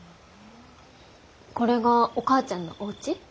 これがお母ちゃんのおうち？